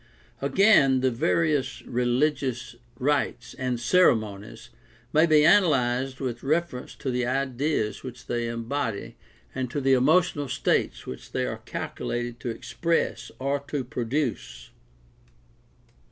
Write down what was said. Again, the various religious rites and ceremonies may be analyzed with reference to the ideas which they embody and to the emotional states which they are calculated to express or to produce.